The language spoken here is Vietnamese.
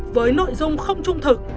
với nội dung không trung thực